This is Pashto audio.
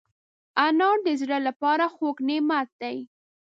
انار د زړه له پاره خوږ نعمت دی.